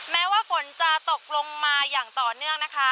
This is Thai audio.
แม้ว่าฝนจะตกลงมาอย่างต่อเนื่องนะคะ